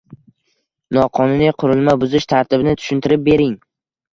Noqonuniy qurilma buzish tartibini tushuntirib bering?